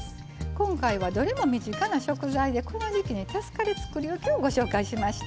今回はどれも身近な食材でこの時季に助かるつくりおきをご紹介しました。